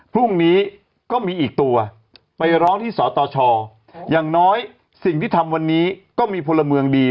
พรุ่งนี้ก็มีอีกตัวไปร้องที่สตชอย่างน้อยสิ่งที่ทำวันนี้ก็มีพลเมืองดี